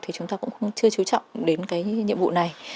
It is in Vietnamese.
thì chúng ta cũng không chưa chú trọng đến cái nhiệm vụ này